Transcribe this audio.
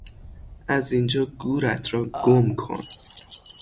از اینجا گورت را گم کن!